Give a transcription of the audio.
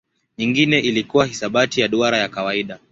Nyingine ilikuwa hisabati ya duara ya kawaida.